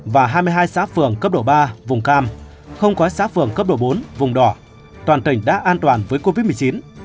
và hai mươi hai xã phường cấp độ ba vùng cam không có xã phường cấp độ bốn vùng đỏ toàn tỉnh đã an toàn với covid một mươi chín